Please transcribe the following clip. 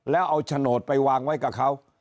แล้วเอาโฉนดไปวางไว้กับเขา